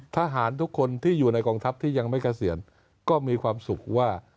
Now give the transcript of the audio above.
ทหารทุกคนที่อยู่ในกองทัพที่ยังไม่เกษียณก็มีความสุขว่า